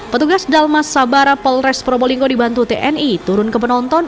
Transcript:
petugas dalmas sabara polres probolinggo dibantu tni turun ke penonton